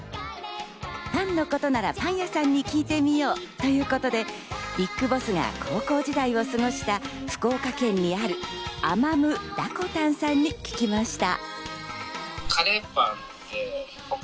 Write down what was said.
パンのことならパン屋さんに聞いてみようということでＢＩＧＢＯＳＳが高校時代を過ごした福岡県にあるアマムダコタンさんに聞きました。